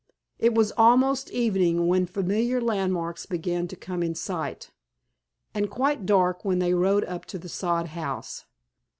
It was almost evening when familiar landmarks began to come in sight, and quite dark when they rode up to the sod house.